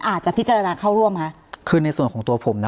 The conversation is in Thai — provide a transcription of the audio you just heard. อาจจะพิจารณาเข้าร่วมคะคือในส่วนของตัวผมนะ